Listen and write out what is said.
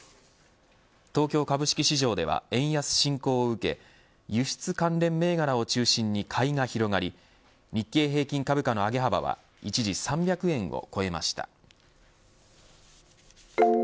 東京株式市場では円安進行を受け輸出関連銘柄を中心に買いが広がり日経平均株価の上げ幅は一時３００円を超えました。